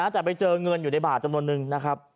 แต่ไปเจอเงินอยู่ในบาทจำนวนนึงนะครับ